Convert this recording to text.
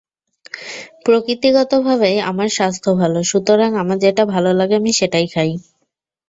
প্রকৃতিগতভাবেই আমার স্বাস্থ্য ভালো, সুতরাং আমার যেটা ভালো লাগে আমি সেটাই খাই।